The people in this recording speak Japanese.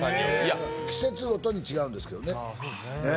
季節ごとに違うんですけどね。